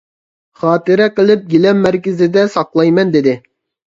-خاتىرە قىلىپ گىلەم مەركىزىمدە ساقلايمەن، -دېدى.